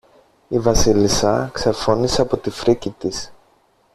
Η Βασίλισσα ξεφώνισε από τη φρίκη της